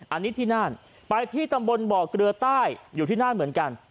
อันนี้ที่น่านไปที่ตำบลบ่อเกลือใต้อยู่ที่นั่นเหมือนกัน